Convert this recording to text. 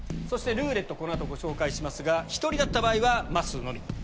そしてルーレットこの後ご紹介しますが１人だった場合はまっすーのみ。